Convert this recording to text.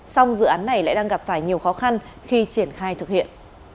song dự án này lại đang gặp phải nhiều khó khăn khi triển khai thực hiện